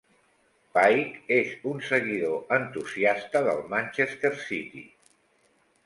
Pike és un seguidor entusiasta del Manchester City.